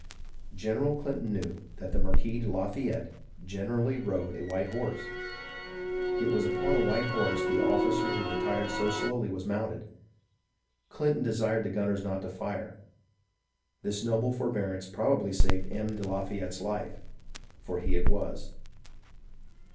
General Clinton knew that the Marquis de La fayette generally rode a white horse ; it was upon a white horse the officer who retired so slowly was mounted ; Clinton desired the gunners not to fire. This noble for bearance probably saved M. de Lafayette's life, for he it was."